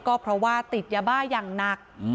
ก็เพราะว่าติดยาบ้าอย่างหนัก